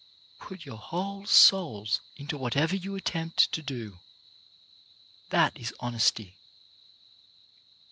" Put your whole souls into whatever you attempt to do. That is honesty.